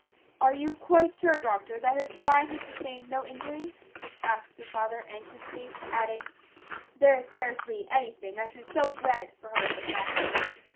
"Are you quite sure, doctor, that her spine has sustained no injury?" asked the father anxiously, adding, "there is scarcely anything I should so dread for her as that."